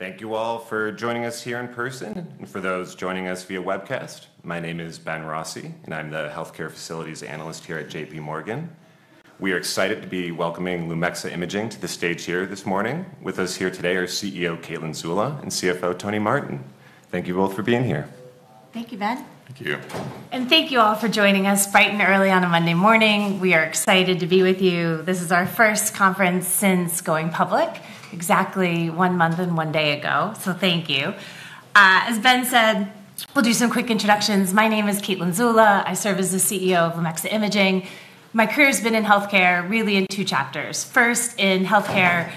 Thank you all for joining us here in person and for those joining us via webcast. My name is Ben Rossi, and I'm the Healthcare Facilities Analyst here at JPMorgan. We are excited to be welcoming Lumexa Imaging to the stage here this morning. With us here today are CEO Caitlin Zulla and CFO Tony Martin. Thank you both for being here. Thank you, Ben. Thank you. Thank you all for joining us bright and early on a Monday morning. We are excited to be with you. This is our first conference since going public, exactly one month and one day ago. Thank you. As Ben said, we'll do some quick introductions. My name is Caitlin Zulla. I serve as the CEO of Lumexa Imaging. My career has been in healthcare, really in two chapters. First, in healthcare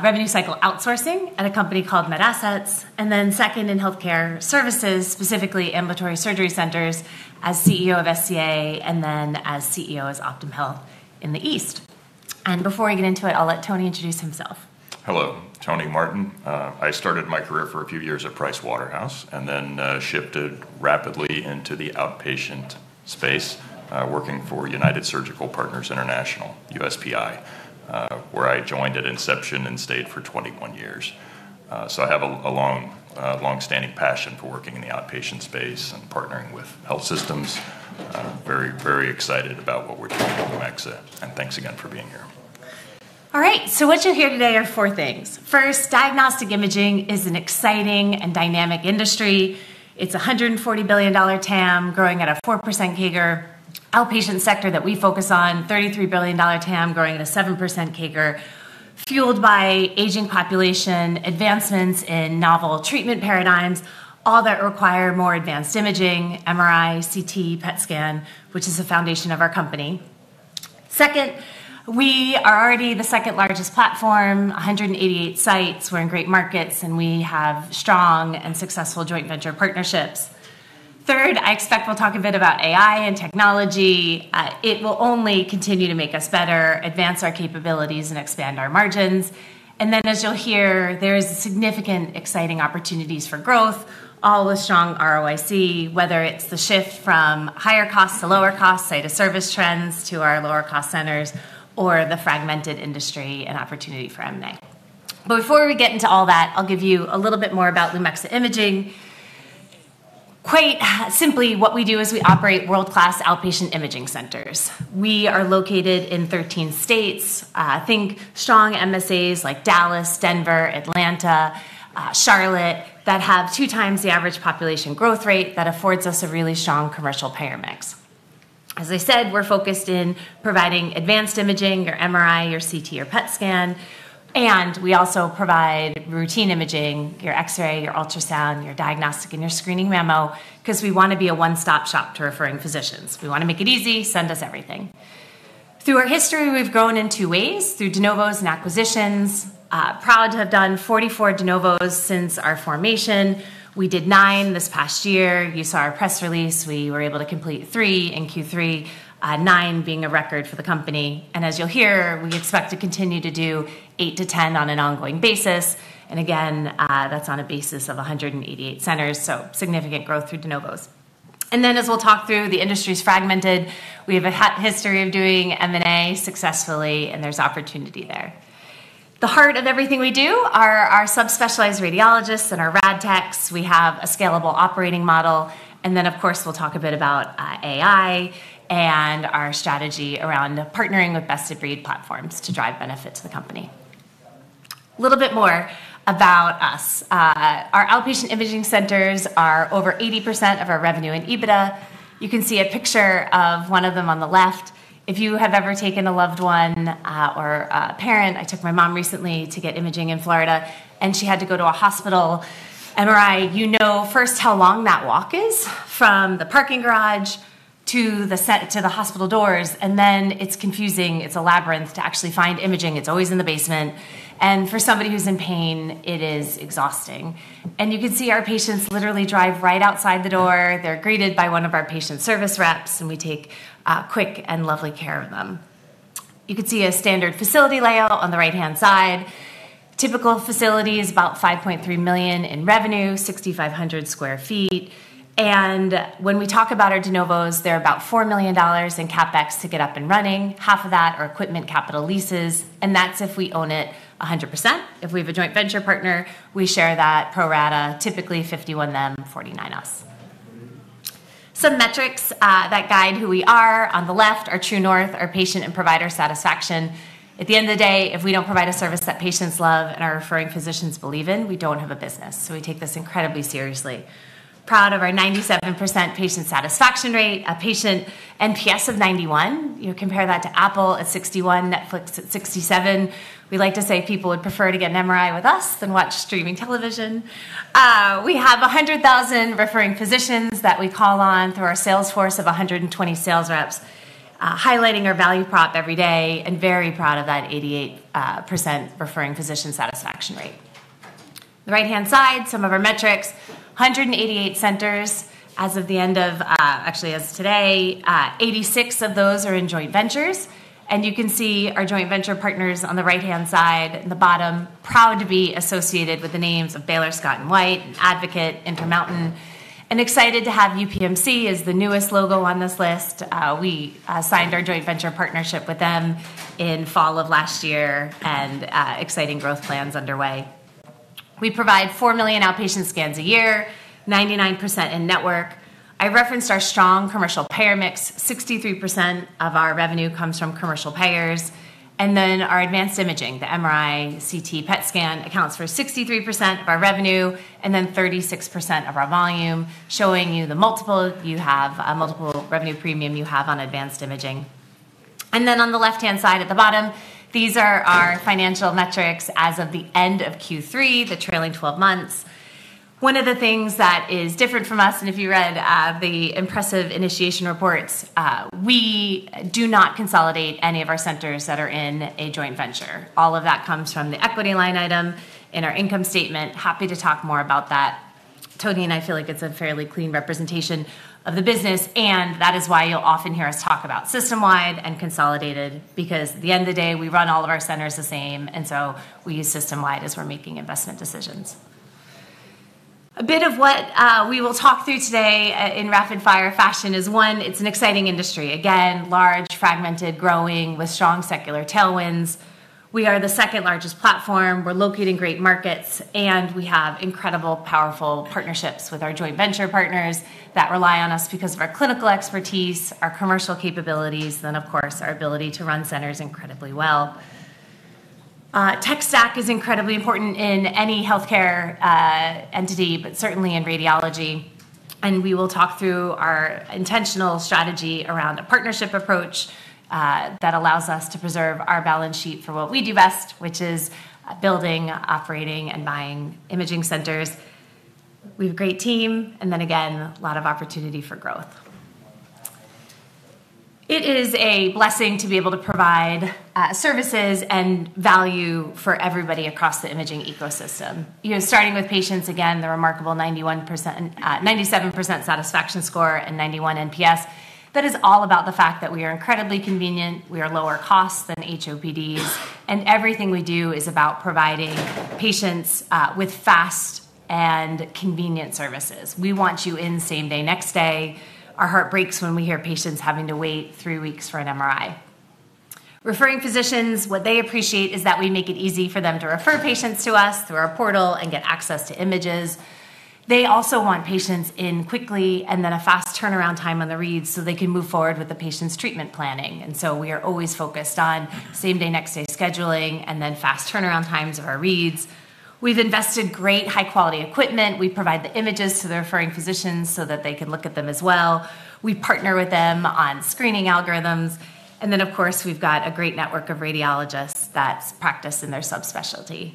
revenue cycle outsourcing at a company called MedAssets. Then second, in healthcare services, specifically ambulatory surgery centers, as CEO of SCA and then as CEO of Optum Health in the East. Before we get into it, I'll let Tony introduce himself. Hello, Tony Martin. I started my career for a few years at Pricewaterhouse and then shifted rapidly into the outpatient space, working for United Surgical Partners International, USPI, where I joined at inception and stayed for 21 years. So I have a long-standing passion for working in the outpatient space and partnering with health systems. Very, very excited about what we're doing at Lumexa. And thanks again for being here. All right. So what you'll hear today are four things. First, diagnostic imaging is an exciting and dynamic industry. It's a $140 billion TAM growing at a 4% CAGR. Outpatient sector that we focus on, $33 billion TAM growing at a 7% CAGR, fueled by aging population, advancements in novel treatment paradigms, all that require more advanced imaging, MRI, CT, PET scan, which is the foundation of our company. Second, we are already the second largest platform, 188 sites. We're in great markets, and we have strong and successful joint venture partnerships. Third, I expect we'll talk a bit about AI and technology. It will only continue to make us better, advance our capabilities, and expand our margins. And then, as you'll hear, there are significant, exciting opportunities for growth, all with strong ROIC, whether it's the shift from higher cost to lower cost, site-of-service trends to our lower-cost centers, or the fragmented industry and opportunity for M&A. But before we get into all that, I'll give you a little bit more about Lumexa Imaging. Quite simply, what we do is we operate world-class outpatient imaging centers. We are located in 13 states. Think strong MSAs like Dallas, Denver, Atlanta, Charlotte, that have 2x the average population growth rate that affords us a really strong commercial payer mix. As I said, we're focused in providing advanced imaging, your MRI, your CT, your PET scan. And we also provide routine imaging, your X-ray, your ultrasound, your diagnostic, and your screening mammo, because we want to be a one-stop shop to referring physicians. We want to make it easy. Send us everything. Through our history, we've grown in two ways, through de novos and acquisitions. Proud to have done 44 de novos since our formation. We did nine this past year. You saw our press release. We were able to complete three in Q3, nine being a record for the company, and as you'll hear, we expect to continue to do 8-10 on an ongoing basis, and again, that's on a basis of 188 centers, so significant growth through de novos, and then, as we'll talk through, the industry is fragmented. We have a history of doing M&A successfully, and there's opportunity there. The heart of everything we do are our subspecialized radiologists and our rad techs. We have a scalable operating model, and then, of course, we'll talk a bit about AI and our strategy around partnering with best-of-breed platforms to drive benefit to the company. A little bit more about us. Our outpatient imaging centers are over 80% of our revenue in EBITDA. You can see a picture of one of them on the left. If you have ever taken a loved one or a parent, I took my mom recently to get imaging in Florida, and she had to go to a hospital MRI, you know first how long that walk is from the parking garage to the hospital doors. And then it's confusing. It's a labyrinth to actually find imaging. It's always in the basement. And for somebody who's in pain, it is exhausting. And you can see our patients literally drive right outside the door. They're greeted by one of our patient service reps, and we take quick and lovely care of them. You can see a standard facility layout on the right-hand side. Typical facility is about $5.3 million in revenue, 6,500 sq ft, and when we talk about our de novos, they're about $4 million in CapEx to get up and running. Half of that are equipment capital leases, and that's if we own it 100%. If we have a joint venture partner, we share that pro rata, typically 51 them, 49 us. Some metrics that guide who we are. On the left, our true north, our patient and provider satisfaction. At the end of the day, if we don't provide a service that patients love and our referring physicians believe in, we don't have a business. So we take this incredibly seriously. Proud of our 97% patient satisfaction rate, a patient NPS of 91. You compare that to Apple at 61, Netflix at 67. We like to say people would prefer to get an MRI with us than watch streaming television. We have 100,000 referring physicians that we call on through our sales force of 120 sales reps, highlighting our value prop every day. And very proud of that 88% referring physician satisfaction rate. The right-hand side, some of our metrics. 188 centers as of the end of--actually, as of today, 86 of those are in joint ventures. And you can see our joint venture partners on the right-hand side in the bottom, proud to be associated with the names of Baylor Scott & White, Advocate, Intermountain. And excited to have UPMC as the newest logo on this list. We signed our joint venture partnership with them in fall of last year, and exciting growth plans underway. We provide 4 million outpatient scans a year, 99% in network. I referenced our strong commercial payer mix. 63% of our revenue comes from commercial payers. And then our advanced imaging, the MRI, CT, PET scan accounts for 63% of our revenue, and then 36% of our volume, showing you the multiple revenue premium you have on advanced imaging. And then on the left-hand side at the bottom, these are our financial metrics as of the end of Q3, the trailing 12 months. One of the things that is different from us, and if you read the impressive initiation reports, we do not consolidate any of our centers that are in a joint venture. All of that comes from the equity line item in our income statement. Happy to talk more about that. Tony and I feel like it's a fairly clean representation of the business. And that is why you'll often hear us talk about system-wide and consolidated, because at the end of the day, we run all of our centers the same. And so we use system-wide as we're making investment decisions. A bit of what we will talk through today in rapid-fire fashion is, one, it's an exciting industry. Again, large, fragmented, growing with strong secular tailwinds. We are the second largest platform. We're located in great markets. And we have incredible, powerful partnerships with our joint venture partners that rely on us because of our clinical expertise, our commercial capabilities, and then, of course, our ability to run centers incredibly well. Tech stack is incredibly important in any healthcare entity, but certainly in radiology. And we will talk through our intentional strategy around a partnership approach that allows us to preserve our balance sheet for what we do best, which is building, operating, and buying imaging centers. We have a great team. And then, again, a lot of opportunity for growth. It is a blessing to be able to provide services and value for everybody across the imaging ecosystem. Starting with patients, again, the remarkable 97% satisfaction score and 91 NPS. That is all about the fact that we are incredibly convenient. We are lower cost than HOPDs. And everything we do is about providing patients with fast and convenient services. We want you in same-day, next-day. Our heart breaks when we hear patients having to wait three weeks for an MRI. Referring physicians, what they appreciate is that we make it easy for them to refer patients to us through our portal and get access to images. They also want patients in quickly and then a fast turnaround time on the reads so they can move forward with the patient's treatment planning. And so we are always focused on same-day, next-day scheduling and then fast turnaround times of our reads. We've invested great high-quality equipment. We provide the images to the referring physicians so that they can look at them as well. We partner with them on screening algorithms. And then, of course, we've got a great network of radiologists that practice in their subspecialty.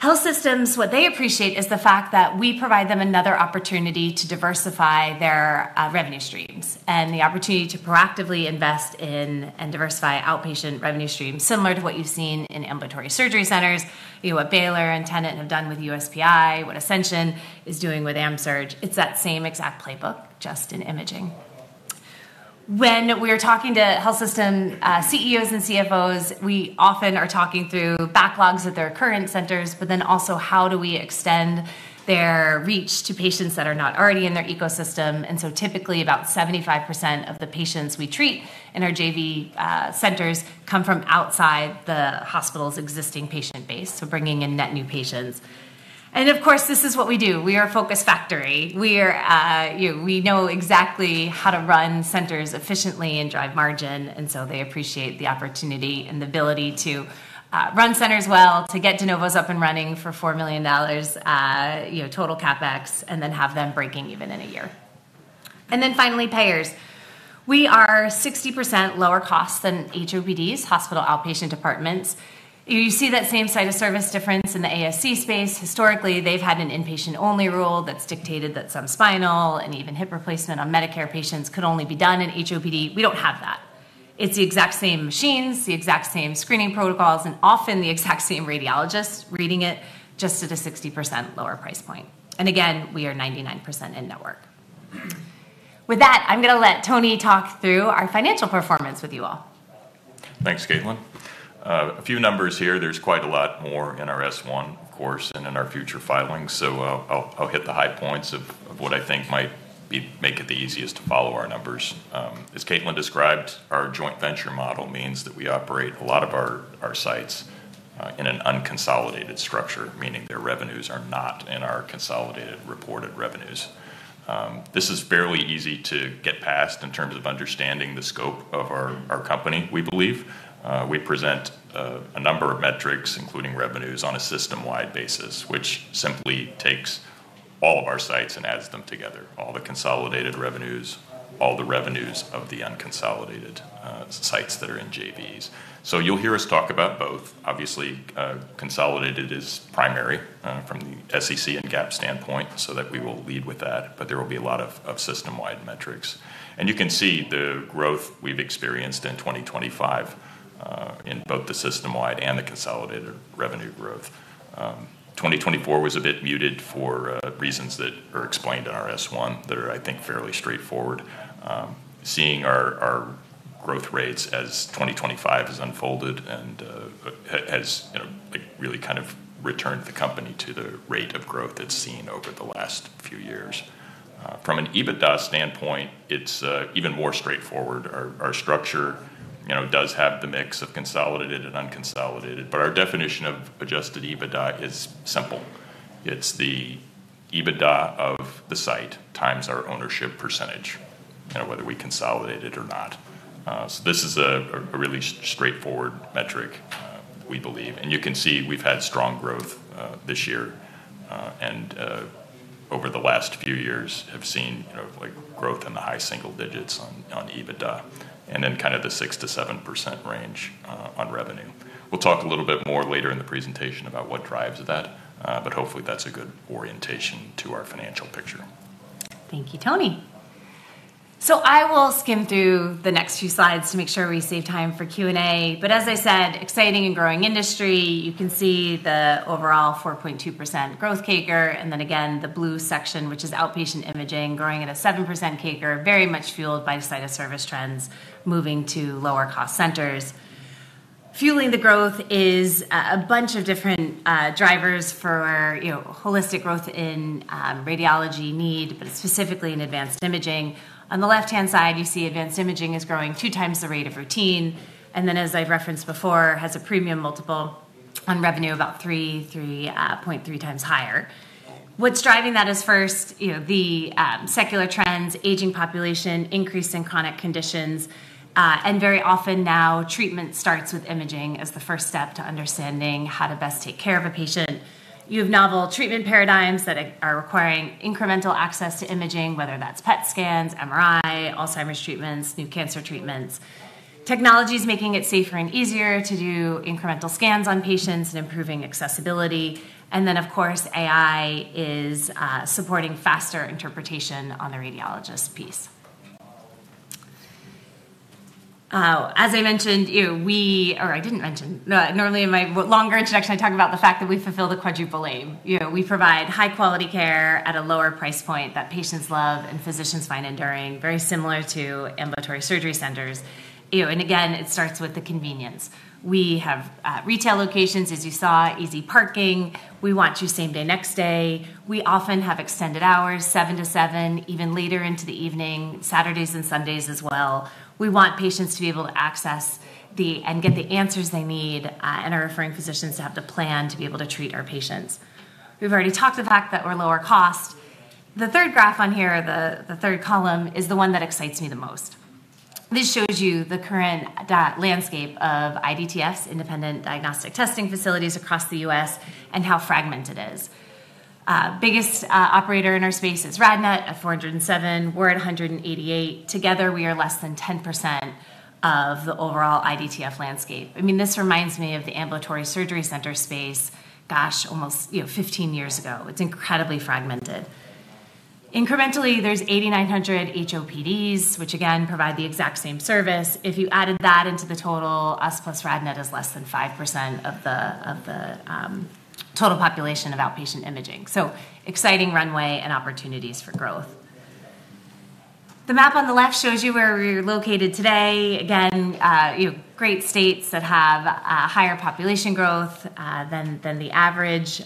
Health systems, what they appreciate is the fact that we provide them another opportunity to diversify their revenue streams and the opportunity to proactively invest in and diversify outpatient revenue streams similar to what you've seen in ambulatory surgery centers, what Baylor and Tenet have done with USPI, what Ascension is doing with AmSurg. It's that same exact playbook, just in imaging. When we are talking to health system CEOs and CFOs, we often are talking through backlogs at their current centers, but then also how do we extend their reach to patients that are not already in their ecosystem. And so typically, about 75% of the patients we treat in our JV centers come from outside the hospital's existing patient base, so bringing in net new patients. And of course, this is what we do. We are a focus factory. We know exactly how to run centers efficiently and drive margin. And so they appreciate the opportunity and the ability to run centers well, to get de novos up and running for $4 million total CapEx, and then have them breaking even in a year. And then finally, payers. We are 60% lower cost than HOPDs, hospital outpatient departments. You see that same site-of-service difference in the ASC space. Historically, they've had an inpatient-only rule that's dictated that some spinal and even hip replacement on Medicare patients could only be done in HOPD. We don't have that. It's the exact same machines, the exact same screening protocols, and often the exact same radiologists reading it just at a 60% lower price point, and again, we are 99% in network. With that, I'm going to let Tony talk through our financial performance with you all. Thanks, Caitlin. A few numbers here. There's quite a lot more in our S-1, of course, and in our future filings. So I'll hit the high points of what I think might make it the easiest to follow our numbers. As Caitlin described, our joint venture model means that we operate a lot of our sites in an unconsolidated structure, meaning their revenues are not in our consolidated reported revenues. This is fairly easy to get past in terms of understanding the scope of our company, we believe. We present a number of metrics, including revenues, on a system-wide basis, which simply takes all of our sites and adds them together, all the consolidated revenues, all the revenues of the unconsolidated sites that are in JVs. So you'll hear us talk about both. Obviously, consolidated is primary from the SEC and GAAP standpoint, so that we will lead with that. But there will be a lot of system-wide metrics. And you can see the growth we've experienced in 2025 in both the system-wide and the consolidated revenue growth. 2024 was a bit muted for reasons that are explained in our S-1 that are, I think, fairly straightforward. Seeing our growth rates as 2025 has unfolded and has really kind of returned the company to the rate of growth it's seen over the last few years. From an EBITDA standpoint, it's even more straightforward. Our structure does have the mix of consolidated and unconsolidated. But our definition of adjusted EBITDA is simple. It's the EBITDA of the site times our ownership percentage, whether we consolidate it or not. So this is a really straightforward metric, we believe. And you can see we've had strong growth this year. And over the last few years, have seen growth in the high single digits on EBITDA and then kind of the 6%-7% range on revenue. We'll talk a little bit more later in the presentation about what drives that. But hopefully, that's a good orientation to our financial picture. Thank you, Tony. So I will skim through the next few slides to make sure we save time for Q&A. But as I said, exciting and growing industry. You can see the overall 4.2% growth CAGR. And then again, the blue section, which is outpatient imaging, growing at a 7% CAGR, very much fueled by site-of-service trends moving to lower-cost centers. Fueling the growth is a bunch of different drivers for holistic growth in radiology need, but specifically in advanced imaging. On the left-hand side, you see advanced imaging is growing 2x the rate of routine. And then, as I've referenced before, has a premium multiple on revenue about 3.3x higher. What's driving that is first the secular trends, aging population, increase in chronic conditions. And very often now, treatment starts with imaging as the first step to understanding how to best take care of a patient. You have novel treatment paradigms that are requiring incremental access to imaging, whether that's PET scans, MRI, Alzheimer's treatments, new cancer treatments. Technology is making it safer and easier to do incremental scans on patients and improving accessibility. And then, of course, AI is supporting faster interpretation on the radiologist piece. As I mentioned, we, or I didn't mention. Normally, in my longer introduction, I talk about the fact that we fulfill the quadruple aim. We provide high-quality care at a lower price point that patients love and physicians find enduring, very similar to ambulatory surgery centers. And again, it starts with the convenience. We have retail locations, as you saw, easy parking. We want you same-day, next-day. We often have extended hours, 7:00 to 7:00, even later into the evening, Saturdays and Sundays as well. We want patients to be able to access and get the answers they need and our referring physicians to have the plan to be able to treat our patients. We've already talked the fact that we're lower cost. The third graph on here, the third column, is the one that excites me the most. This shows you the current landscape of IDTFs, Independent Diagnostic Testing Facilities, across the US and how fragmented it is. Biggest operator in our space is RadNet, at 407. We're at 188. Together, we are less than 10% of the overall IDTF landscape. I mean, this reminds me of the ambulatory surgery center space, gosh, almost 15 years ago. It's incredibly fragmented. Incrementally, there's 8,900 HOPDs, which, again, provide the exact same service. If you added that into the total, us plus RadNet is less than 5% of the total population of outpatient imaging. So exciting runway and opportunities for growth. The map on the left shows you where we're located today. Again, great states that have higher population growth than the average.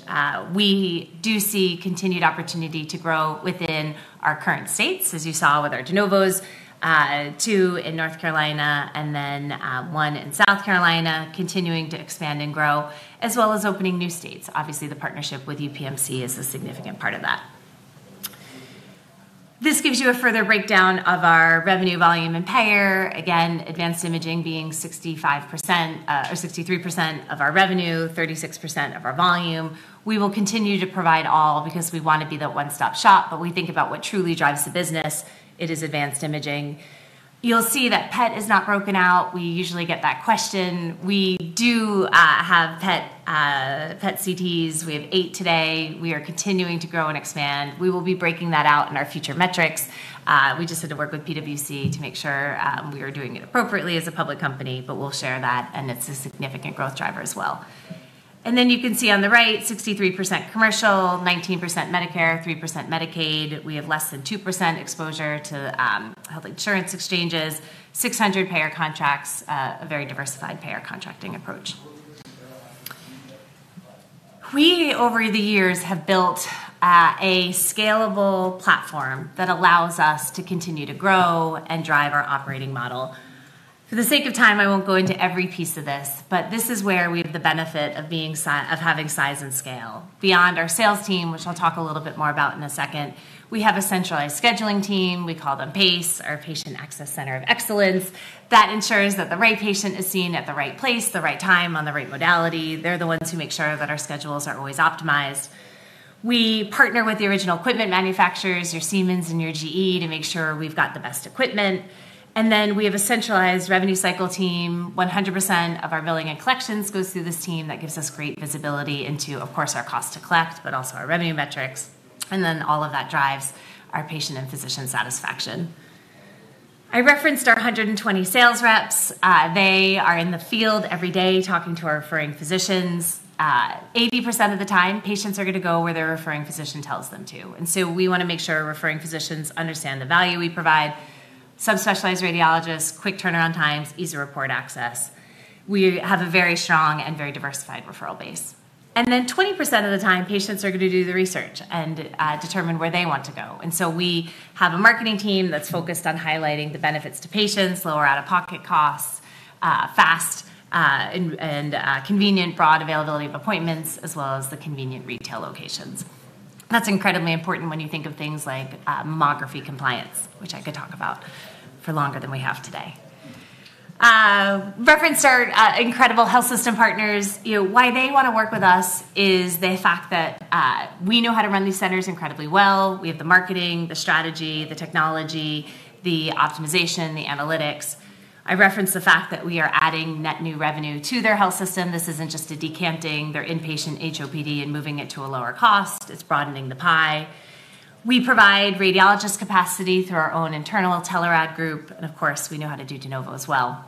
We do see continued opportunity to grow within our current states, as you saw with our de novos, two in North Carolina and then one in South Carolina, continuing to expand and grow, as well as opening new states. Obviously, the partnership with UPMC is a significant part of that. This gives you a further breakdown of our revenue volume and payer. Again, advanced imaging being 63% of our revenue, 36% of our volume. We will continue to provide all because we want to be the one-stop shop. But we think about what truly drives the business. It is advanced imaging. You'll see that PET is not broken out. We usually get that question. We do have PET CTs. We have eight today. We are continuing to grow and expand. We will be breaking that out in our future metrics. We just had to work with PwC to make sure we are doing it appropriately as a public company, but we'll share that. And it's a significant growth driver as well. And then you can see on the right, 63% commercial, 19% Medicare, 3% Medicaid. We have less than 2% exposure to health insurance exchanges, 600 payer contracts, a very diversified payer contracting approach. We, over the years, have built a scalable platform that allows us to continue to grow and drive our operating model. For the sake of time, I won't go into every piece of this. But this is where we have the benefit of having size and scale. Beyond our sales team, which I'll talk a little bit more about in a second, we have a centralized scheduling team. We call them PACE, our Patient Access Center of Excellence. That ensures that the right patient is seen at the right place, the right time, on the right modality. They're the ones who make sure that our schedules are always optimized. We partner with the original equipment manufacturers, your Siemens and your GE, to make sure we've got the best equipment. And then we have a centralized revenue cycle team. 100% of our billing and collections goes through this team that gives us great visibility into, of course, our cost to collect, but also our revenue metrics. And then all of that drives our patient and physician satisfaction. I referenced our 120 sales reps. They are in the field every day talking to our referring physicians. 80% of the time, patients are going to go where their referring physician tells them to. And so we want to make sure referring physicians understand the value we provide. Subspecialized radiologists, quick turnaround times, easy report access. We have a very strong and very diversified referral base. And then 20% of the time, patients are going to do the research and determine where they want to go. And so we have a marketing team that's focused on highlighting the benefits to patients, lower out-of-pocket costs, fast and convenient broad availability of appointments, as well as the convenient retail locations. That's incredibly important when you think of things like mammography compliance, which I could talk about for longer than we have today. Reference our incredible health system partners. Why they want to work with us is the fact that we know how to run these centers incredibly well. We have the marketing, the strategy, the technology, the optimization, the analytics. I referenced the fact that we are adding net new revenue to their health system. This isn't just decanting their inpatient HOPD and moving it to a lower cost. It's broadening the pie. We provide radiologist capacity through our own internal telerad group, and of course, we know how to do de novo as well.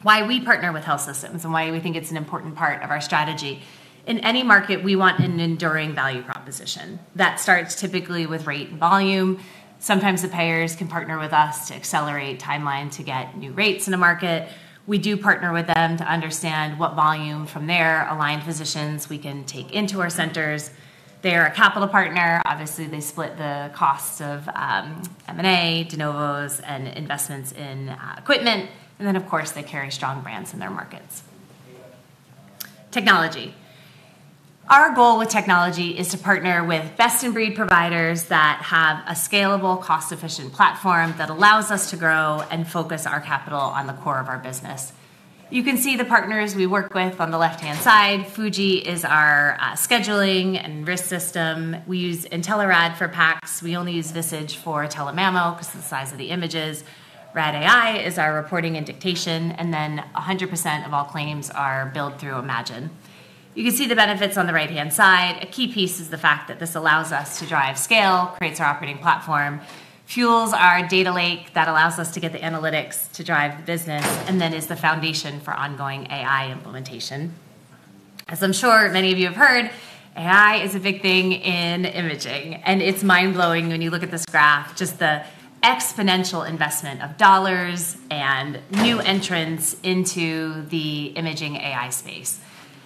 Why we partner with health systems and why we think it's an important part of our strategy. In any market, we want an enduring value proposition. That starts typically with rate and volume. Sometimes the payers can partner with us to accelerate timeline to get new rates in a market. We do partner with them to understand what volume from their aligned physicians we can take into our centers. They are a capital partner. Obviously, they split the costs of M&A, de novos, and investments in equipment. And then, of course, they carry strong brands in their markets. Technology. Our goal with technology is to partner with best-in-breed providers that have a scalable, cost-efficient platform that allows us to grow and focus our capital on the core of our business. You can see the partners we work with on the left-hand side. Fuji is our scheduling and RIS system. We use Intelerad for PACS. We only use Visage for telemammo, because of the size of the images. Rad AI is our reporting and dictation. And then 100% of all claims are billed through Imagine. You can see the benefits on the right-hand side. A key piece is the fact that this allows us to drive scale, creates our operating platform, fuels our data lake that allows us to get the analytics to drive the business, and then is the foundation for ongoing AI implementation. As I'm sure many of you have heard, AI is a big thing in imaging. And it's mind-blowing when you look at this graph, just the exponential investment of dollars and new entrants into the imaging AI space.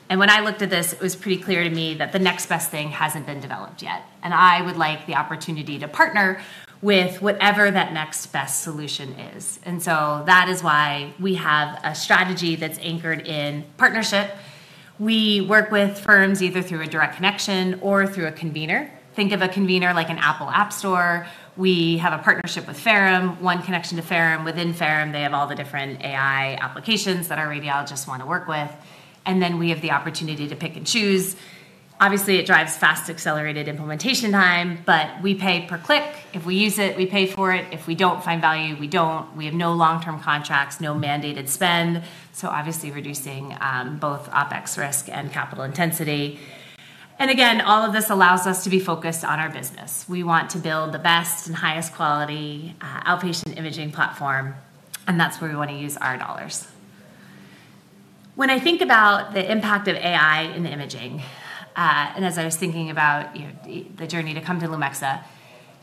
And when I looked at this, it was pretty clear to me that the next best thing hasn't been developed yet. And I would like the opportunity to partner with whatever that next best solution is. And so that is why we have a strategy that's anchored in partnership. We work with firms either through a direct connection or through a convener. Think of a convener like an Apple App Store. We have a partnership with Ferrum. One connection to Ferrum. Within Ferrum, they have all the different AI applications that our radiologists want to work with. And then we have the opportunity to pick and choose. Obviously, it drives fast accelerated implementation time, but we pay per click. If we use it, we pay for it. If we don't find value, we don't. We have no long-term contracts, no mandated spend. So obviously, reducing both OpEx risk and capital intensity. And again, all of this allows us to be focused on our business. We want to build the best and highest quality outpatient imaging platform. And that's where we want to use our dollars. When I think about the impact of AI in imaging, and as I was thinking about the journey to come to Lumexa,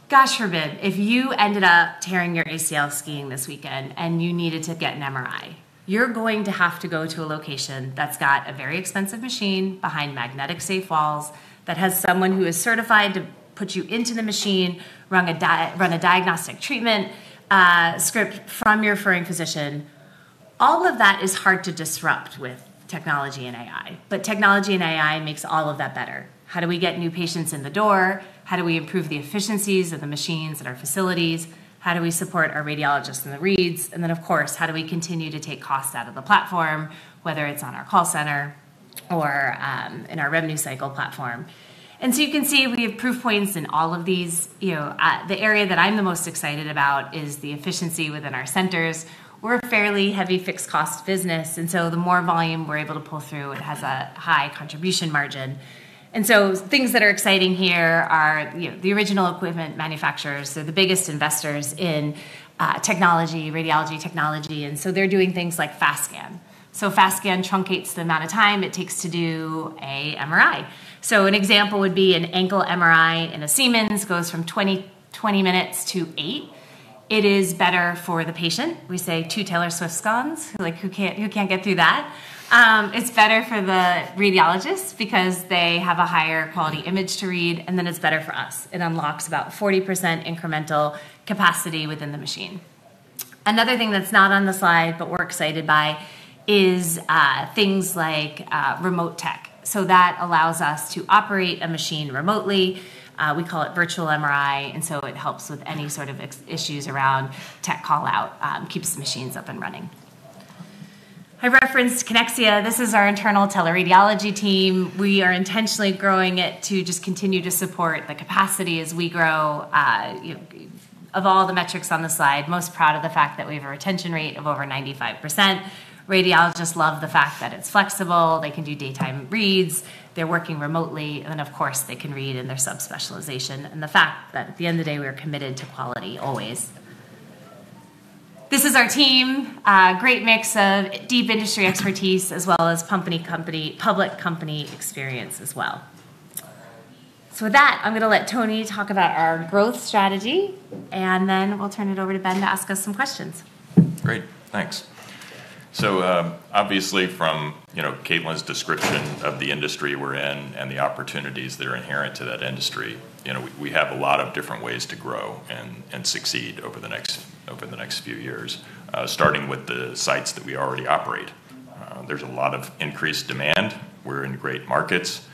gosh forbid, if you ended up tearing your ACL skiing this weekend and you needed to get an MRI, you're going to have to go to a location that's got a very expensive machine behind magnetic-safe walls that has someone who is certified to put you into the machine, run a diagnostic treatment script from your referring physician. All of that is hard to disrupt with technology and AI. But technology and AI makes all of that better. How do we get new patients in the door? How do we improve the efficiencies of the machines at our facilities? How do we support our radiologists and the reads? Then, of course, how do we continue to take costs out of the platform, whether it's on our call center or in our revenue cycle platform? And so you can see we have proof points in all of these. The area that I'm the most excited about is the efficiency within our centers. We're a fairly heavy fixed-cost business. And so the more volume we're able to pull through, it has a high contribution margin. And so things that are exciting here are the original equipment manufacturers, so the biggest investors in radiology technology. And so they're doing things like FAST scan. So FAST scan truncates the amount of time it takes to do an MRI. So an example would be an ankle MRI in a Siemens goes from 20 minutes to eight. It is better for the patient. We say two Taylor Swift songs. Who can't get through that? It's better for the radiologists because they have a higher quality image to read, and then it's better for us. It unlocks about 40% incremental capacity within the machine. Another thing that's not on the slide, but we're excited by, is things like remote tech. So that allows us to operate a machine remotely. We call it Virtual MRI, and so it helps with any sort of issues around tech callout, keeps the machines up and running. I referenced Kinexia. This is our internal teleradiology team. We are intentionally growing it to just continue to support the capacity as we grow. Of all the metrics on the slide, most proud of the fact that we have a retention rate of over 95%. Radiologists love the fact that it's flexible. They can do daytime reads. They're working remotely, and then, of course, they can read in their subspecialization. The fact that at the end of the day, we are committed to quality always. This is our team, great mix of deep industry expertise as well as public company experience as well. With that, I'm going to let Tony talk about our growth strategy. Then we'll turn it over to Ben to ask us some questions. Great. Thanks. So obviously, from Caitlin's description of the industry we're in and the opportunities that are inherent to that industry, we have a lot of different ways to grow and succeed over the next few years, starting with the sites that we already operate. There's a lot of increased demand. We're in great markets.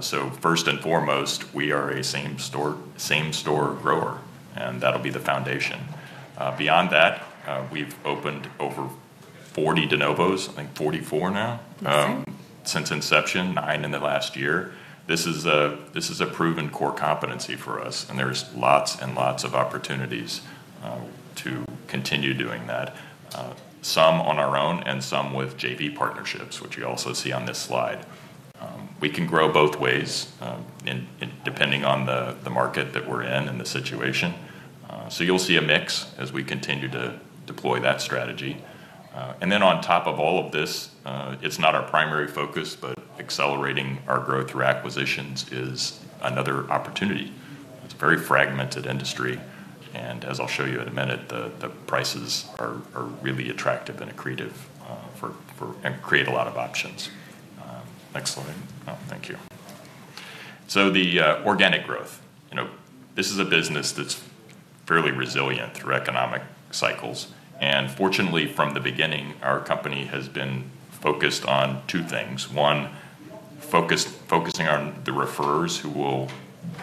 So first and foremost, we are a same-store grower. And that'll be the foundation. Beyond that, we've opened over 40 de novos, I think 44 now, since inception, nine in the last year. This is a proven core competency for us. And there's lots and lots of opportunities to continue doing that, some on our own and some with JV partnerships, which you also see on this slide. We can grow both ways depending on the market that we're in and the situation. So you'll see a mix as we continue to deploy that strategy. And then on top of all of this, it's not our primary focus, but accelerating our growth through acquisitions is another opportunity. It's a very fragmented industry. And as I'll show you in a minute, the prices are really attractive and accretive and create a lot of options. Next slide. Oh, thank you. So the organic growth. This is a business that's fairly resilient through economic cycles. And fortunately, from the beginning, our company has been focused on two things. One, focusing on the referrers who will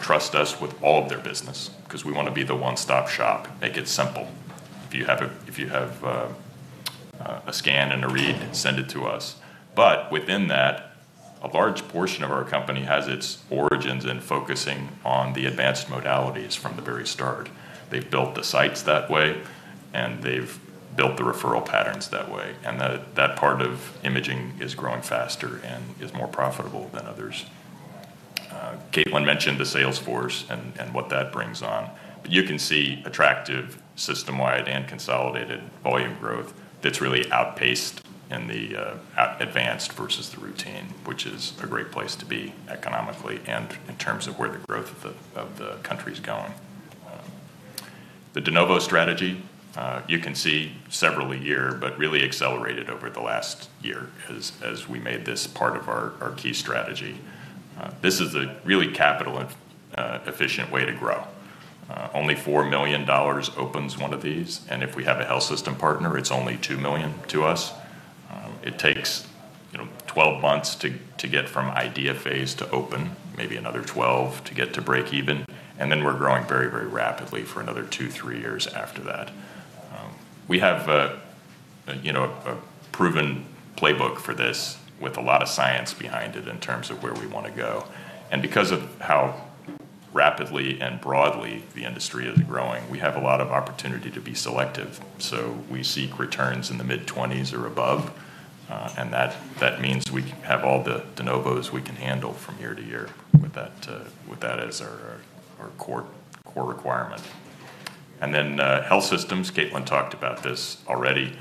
trust us with all of their business because we want to be the one-stop shop. Make it simple. If you have a scan and a read, send it to us. But within that, a large portion of our company has its origins in focusing on the advanced modalities from the very start. They've built the sites that way, and they've built the referral patterns that way. And that part of imaging is growing faster and is more profitable than others. Caitlin mentioned the sales force and what that brings on. But you can see attractive system-wide and consolidated volume growth that's really outpaced in the advanced versus the routine, which is a great place to be economically and in terms of where the growth of the country is going. The de novo strategy, you can see several a year, but really accelerated over the last year as we made this part of our key strategy. This is a really capital-efficient way to grow. Only $4 million opens one of these. And if we have a health system partner, it's only $2 million to us. It takes 12 months to get from idea phase to open, maybe another 12 to get to break even. And then we're growing very, very rapidly for another two, three years after that. We have a proven playbook for this with a lot of science behind it in terms of where we want to go. And because of how rapidly and broadly the industry is growing, we have a lot of opportunity to be selective. So we seek returns in the mid-20s or above. And that means we have all the de novos we can handle from year to year with that as our core requirement. And then health systems, Caitlin talked about this already.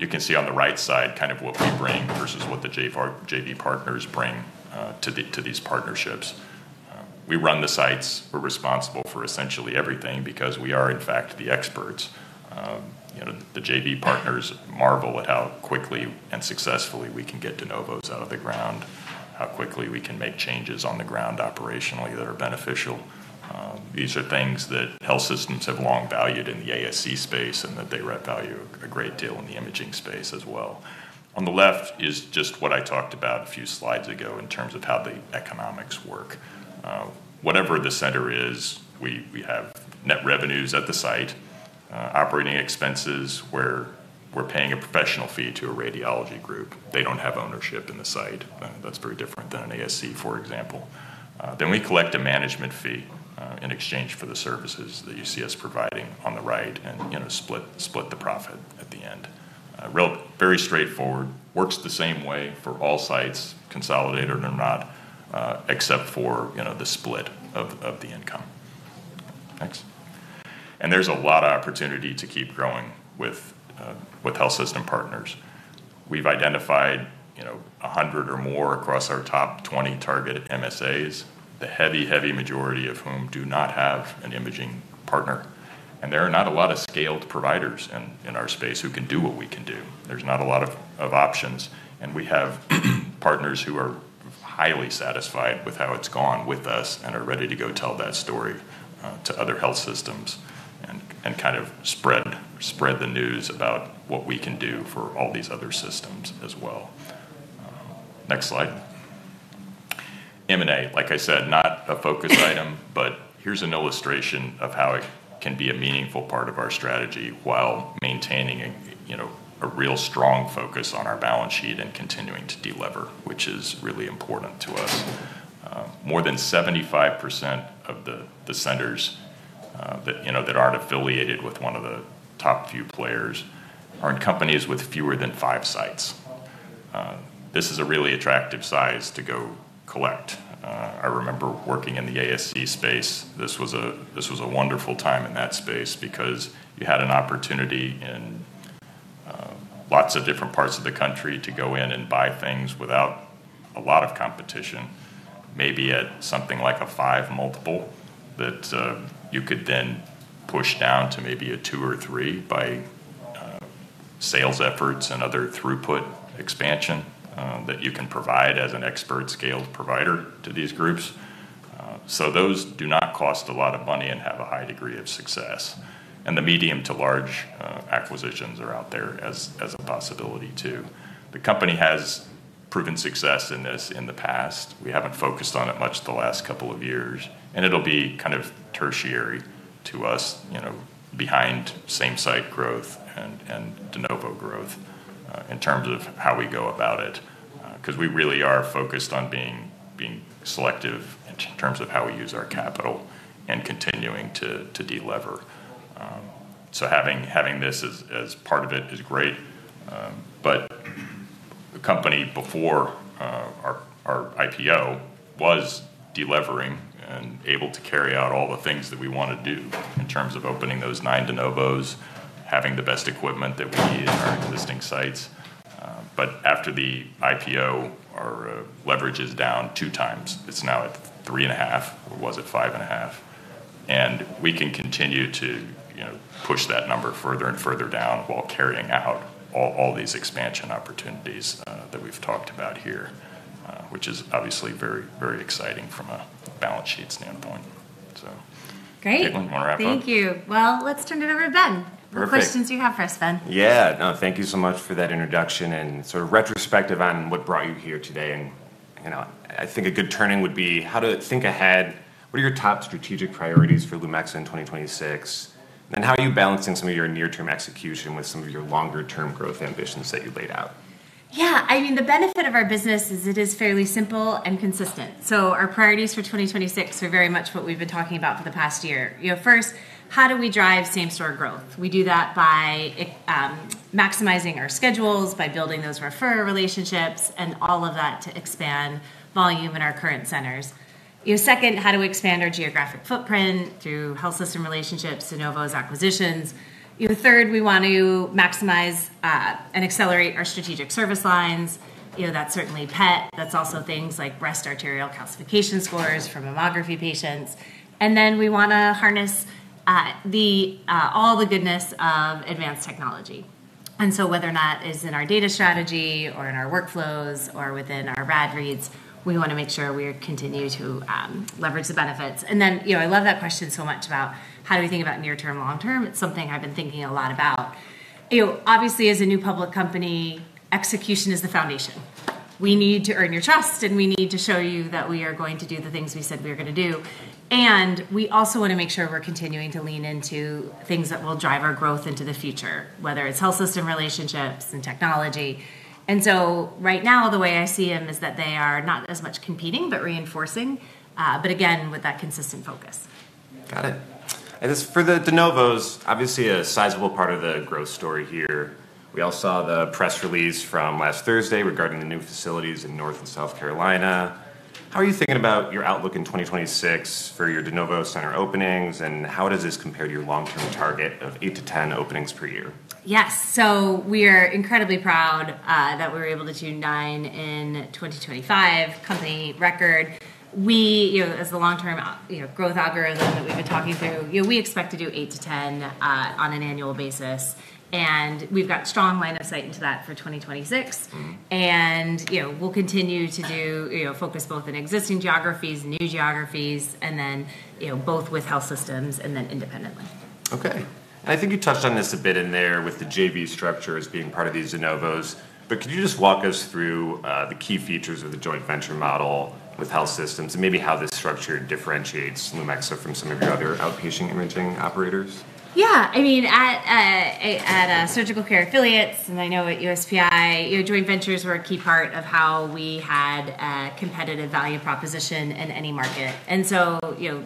You can see on the right side kind of what we bring versus what the JV partners bring to these partnerships. We run the sites. We're responsible for essentially everything because we are, in fact, the experts. The JV partners marvel at how quickly and successfully we can get de novos out of the ground, how quickly we can make changes on the ground operationally that are beneficial. These are things that health systems have long valued in the ASC space and that they value a great deal in the imaging space as well. On the left is just what I talked about a few slides ago in terms of how the economics work. Whatever the center is, we have net revenues at the site, operating expenses where we're paying a professional fee to a radiology group. They don't have ownership in the site. That's very different than an ASC, for example. Then we collect a management fee in exchange for the services that you see us providing on the right and split the profit at the end. Very straightforward. Works the same way for all sites, consolidated or not, except for the split of the income. Thanks. And there's a lot of opportunity to keep growing with health system partners. We've identified 100 or more across our top 20 target MSAs, the heavy, heavy majority of whom do not have an imaging partner. And there are not a lot of scaled providers in our space who can do what we can do. There's not a lot of options. And we have partners who are highly satisfied with how it's gone with us and are ready to go tell that story to other health systems and kind of spread the news about what we can do for all these other systems as well. Next slide. M&A, like I said, not a focus item, but here's an illustration of how it can be a meaningful part of our strategy while maintaining a real strong focus on our balance sheet and continuing to deliver, which is really important to us. More than 75% of the centers that aren't affiliated with one of the top few players are in companies with fewer than five sites. This is a really attractive size to go collect. I remember working in the ASC space. This was a wonderful time in that space because you had an opportunity in lots of different parts of the country to go in and buy things without a lot of competition, maybe at something like a five multiple that you could then push down to maybe a two or three by sales efforts and other throughput expansion that you can provide as an expert scaled provider to these groups, so those do not cost a lot of money and have a high degree of success, and the medium to large acquisitions are out there as a possibility too. The company has proven success in this in the past. We haven't focused on it much the last couple of years. It'll be kind of tertiary to us behind same-site growth and de novo growth in terms of how we go about it because we really are focused on being selective in terms of how we use our capital and continuing to deliver. Having this as part of it is great. The company before our IPO was delivering and able to carry out all the things that we want to do in terms of opening those nine de novos, having the best equipment that we need in our existing sites. After the IPO, our leverage is down 2x. It's now at three and a half or was at five and a half. And we can continue to push that number further and further down while carrying out all these expansion opportunities that we've talked about here, which is obviously very, very exciting from a balance sheet standpoint. So Caitlin, you want to wrap up? Great. Thank you. Let's turn it over to Ben for questions you have for us, Ben. Yeah. No, thank you so much for that introduction and sort of retrospective on what brought you here today. And I think a good turning would be how to think ahead. What are your top strategic priorities for Lumexa in 2026? And how are you balancing some of your near-term execution with some of your longer-term growth ambitions that you laid out? Yeah. I mean, the benefit of our business is it is fairly simple and consistent. So our priorities for 2026 are very much what we've been talking about for the past year. First, how do we drive same-store growth? We do that by maximizing our schedules, by building those referral relationships, and all of that to expand volume in our current centers. Second, how do we expand our geographic footprint through health system relationships, de novos, acquisitions? Third, we want to maximize and accelerate our strategic service lines. That's certainly PET. That's also things like breast arterial calcification scores from mammography patients. And then we want to harness all the goodness of advanced technology. And so whether or not it's in our data strategy or in our workflows or within our RAD reads, we want to make sure we continue to leverage the benefits. And then I love that question so much about how do we think about near-term, long-term? It's something I've been thinking a lot about. Obviously, as a new public company, execution is the foundation. We need to earn your trust, and we need to show you that we are going to do the things we said we were going to do. And we also want to make sure we're continuing to lean into things that will drive our growth into the future, whether it's health system relationships and technology. And so right now, the way I see them is that they are not as much competing, but reinforcing, but again, with that consistent focus. Got it. And for the de novos, obviously a sizable part of the growth story here. We all saw the press release from last Thursday regarding the new facilities in North and South Carolina. How are you thinking about your outlook in 2026 for your de novo center openings? And how does this compare to your long-term target of eight to 10 openings per year? Yes, so we are incredibly proud that we were able to do nine in 2025 company record. As the long-term growth algorithm that we've been talking through, we expect to do eight to 10 on an annual basis, and we've got a strong line of sight into that for 2026, and we'll continue to focus both in existing geographies, new geographies, and then both with health systems and then independently. Okay. And I think you touched on this a bit in there with the JV structure as being part of these de novos. But could you just walk us through the key features of the joint venture model with health systems and maybe how this structure differentiates Lumexa from some of your other outpatient imaging operators? Yeah. I mean, at Surgical Care Affiliates and I know at USPI, joint ventures were a key part of how we had a competitive value proposition in any market. And so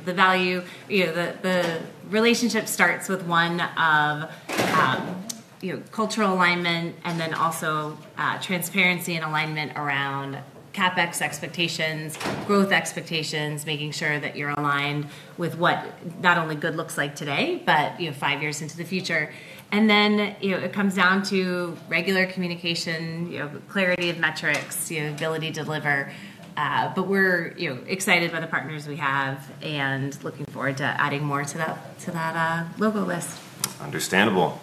the value, the relationship starts with one of cultural alignment and then also transparency and alignment around CapEx expectations, growth expectations, making sure that you're aligned with what not only good looks like today, but five years into the future. And then it comes down to regular communication, clarity of metrics, ability to deliver. But we're excited by the partners we have and looking forward to adding more to that logo list. Understandable.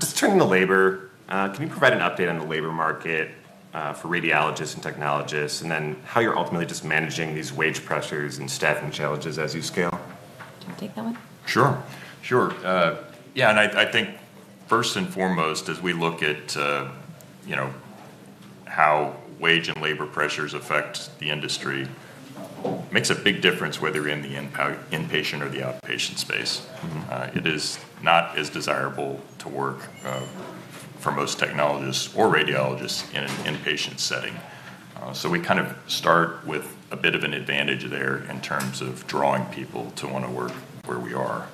Just turning to labor, can you provide an update on the labor market for radiologists and technologists and then how you're ultimately just managing these wage pressures and staffing challenges as you scale? Can I take that one? Sure. Sure. Yeah. And I think first and foremost, as we look at how wage and labor pressures affect the industry, it makes a big difference whether you're in the inpatient or the outpatient space. It is not as desirable to work for most technologists or radiologists in an inpatient setting. So we kind of start with a bit of an advantage there in terms of drawing people to want to work where we are.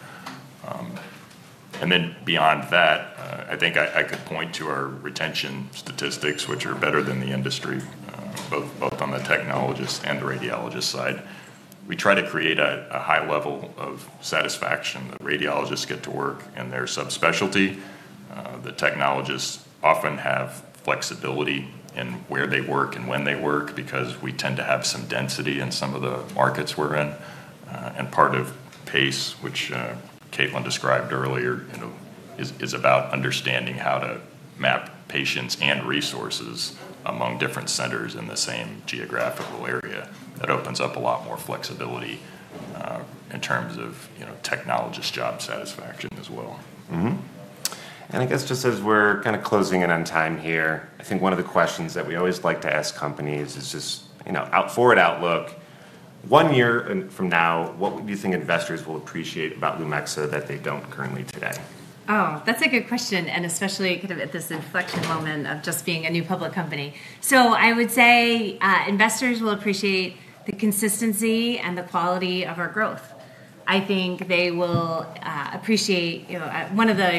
And then beyond that, I think I could point to our retention statistics, which are better than the industry, both on the technologist and the radiologist side. We try to create a high level of satisfaction. The radiologists get to work in their subspecialty. The technologists often have flexibility in where they work and when they work because we tend to have some density in some of the markets we're in. Part of PACE, which Caitlin described earlier, is about understanding how to map patients and resources among different centers in the same geographical area. That opens up a lot more flexibility in terms of technologist job satisfaction as well. I guess just as we're kind of closing in on time here, I think one of the questions that we always like to ask companies is just our forward outlook. One year from now, what do you think investors will appreciate about Lumexa that they don't currently today? Oh, that's a good question, and especially kind of at this inflection moment of just being a new public company, so I would say investors will appreciate the consistency and the quality of our growth. I think they will appreciate one of the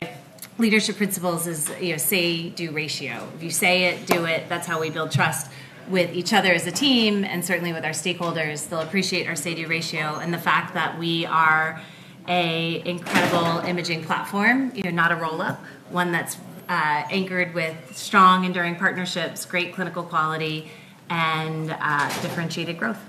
leadership principles is say, do ratio. If you say it, do it. That's how we build trust with each other as a team and certainly with our stakeholders. They'll appreciate our say, do ratio and the fact that we are an incredible imaging platform, not a roll-up, one that's anchored with strong, enduring partnerships, great clinical quality, and differentiated growth.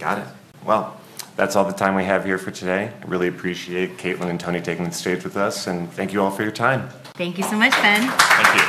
Got it. Well, that's all the time we have here for today. I really appreciate Caitlin and Tony taking the stage with us. And thank you all for your time. Thank you so much, Ben. Thank you.